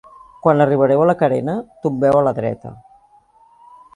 Quan arribareu a la carena, tombeu a la dreta.